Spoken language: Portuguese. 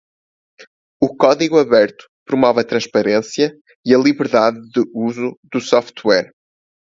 O código aberto promove a transparência e a liberdade de uso do software.